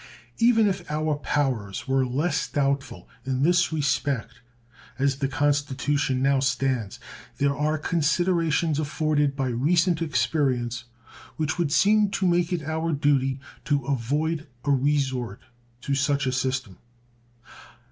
Even if our powers were less doubtful in this respect as the Constitution now stands, there are considerations afforded by recent experience which would seem to make it our duty to avoid a resort to such a system.